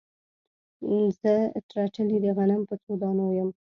زه ترټلي د غنم په څو دانو یم